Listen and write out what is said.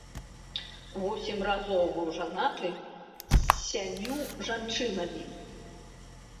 Восем разоў быў жанаты з сямю жанчынамі.